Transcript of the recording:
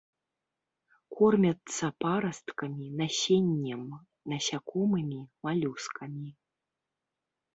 Кормяцца парасткамі, насеннем, насякомымі, малюскамі.